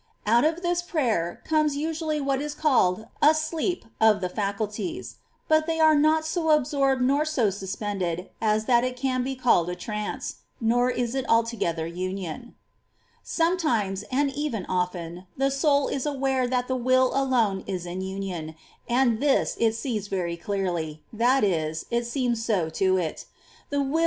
5. Out of this prayer comes usually what is called fStifs!^^ a sleep of the faculties ; but they are not so absorbed nor so suspended as that it can be called a trance ; nor is it altogether union. 6. Sometimes, and even often, the soul is aware Si^oniy*^^ that the will alone is in union ; and this it sees very clearly, — that is, it seems so to it. The will is ' Inner Fortress, iv. ch. iii. REL. VIII.